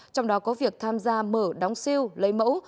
trong đó có việc tham gia mở đóng siêu lấy mẫu